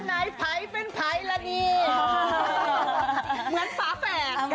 เหมือนฟ้าแฝง